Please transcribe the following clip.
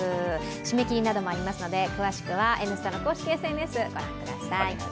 締め切りなどもありますので、詳しくは「Ｎスタ」の公式ＳＮＳ、ご覧ください。